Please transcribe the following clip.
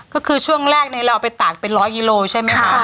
ก็คือช่วงแรกเราเอาไปตากเป็นร้อยกิโลใช่ไหมคะ